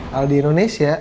kalau di indonesia